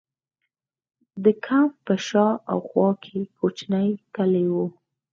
د کمپ په شا او خوا کې کوچنۍ کلي وو.